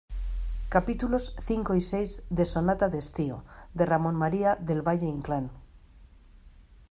capítulos cinco y seis de Sonata de estío, de Ramón María del Valle-Inclán.